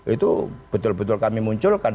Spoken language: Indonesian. itu betul betul kami munculkan